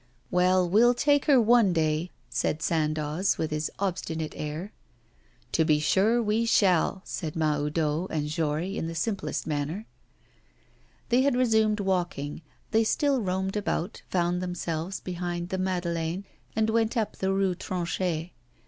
'Well, we'll take her one day,' said Sandoz, with his obstinate air. 'To be sure we shall,' said Mahoudeau and Jory in the simplest manner. They had resumed walking; they still roamed about, found themselves behind the Madeleine, and went up the Rue Tronchet.